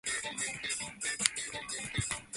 He was subsequently loaned to Studentski centar.